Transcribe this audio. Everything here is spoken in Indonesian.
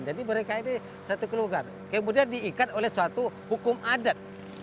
jadi mereka ini satu kelukan kemudian diikat oleh suatu hukum adat